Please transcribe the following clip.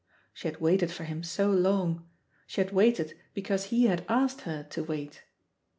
She had waited for him so long; she had waited because he had asked her to wait